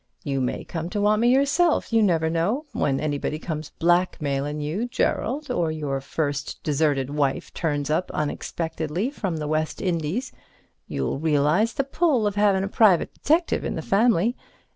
You may come to want me yourself, you never know. When anybody comes blackmailin' you, Gerald, or your first deserted wife turns up unexpectedly from the West Indies, you'll realize the pull of havin' a private detective in the family.